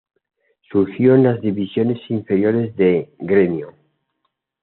Surgido en las divisiones inferiores de Grêmio.